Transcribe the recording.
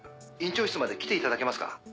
院長室まで来ていただけますか？